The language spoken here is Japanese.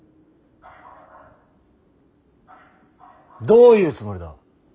どういうつもりだ。